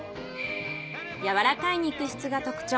やわらかい肉質が特徴。